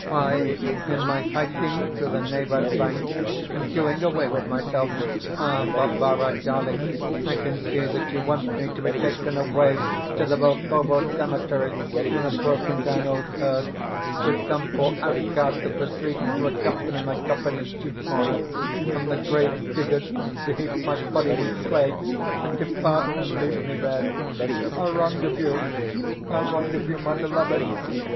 Why, in my hiking to the Neva's bank and doing away with myself. Ah, Barbara, darling, I can see that you want me to be taken away to the Volkovo Cemetery in a broken down old hearse, with some poor outcast of the streets to accompany my coffin as chief mourner, and the gravediggers to heap my body with clay, and depart and leave me there. How wrong of you, how wrong of you, my beloved!